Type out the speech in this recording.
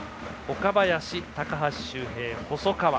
岡林、高橋周平、細川。